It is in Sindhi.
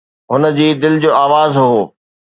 هن جي دل جو آواز هو.